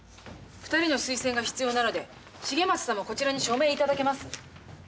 ２人の推薦が必要なので重松さんもこちらに署名頂けます？